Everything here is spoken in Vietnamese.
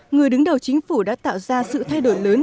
người đứng đầu chính phủ đã tạo ra sự thay đổi lớn